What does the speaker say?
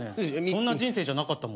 そんな人生じゃなかった。